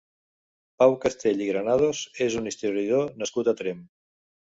Pau Castell i Granados és un historiador nascut a Tremp.